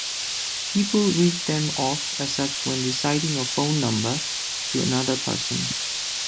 People read them off as such when reciting a phone number to another person.